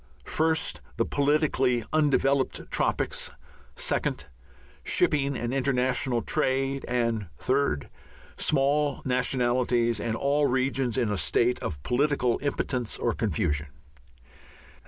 (1) The politically undeveloped tropics; (2) Shipping and international trade; and (3) Small nationalities and all regions in a state of political impotence or confusion?